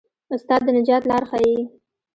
استاد د نجات لار ښيي.